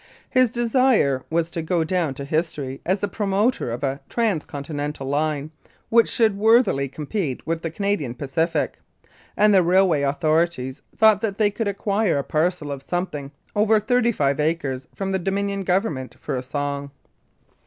His desire was to go down to history as the promoter of a trans continental line which should worthily compete with the Canadian Pacific, and the railway authorities thought that they could acquire a parcel of something over thirty five acres from the Dominion Government for a song.